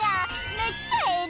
めっちゃええな！